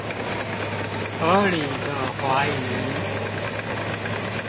合理的懷疑